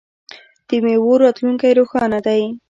د میوو راتلونکی روښانه دی.